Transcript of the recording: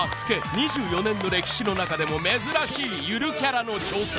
２４年の歴史の中でも珍しいゆるキャラの挑戦